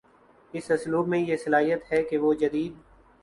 اس اسلوب میں یہ صلاحیت ہے کہ وہ جدید